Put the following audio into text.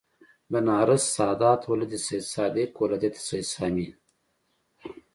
بنارس سادات ولد سیدصادق ولدیت سید سامي